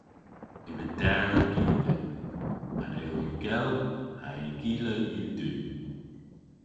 Yma dew gi dhymm. An eyl yw gell ha'y gila yw du.